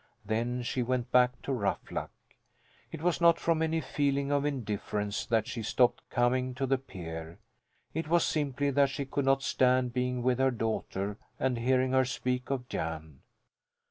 Then she went back to Ruffluck. It was not from any feeling of indifference that she stopped coming to the pier, it was simply that she could not stand being with her daughter and hearing her speak of Jan.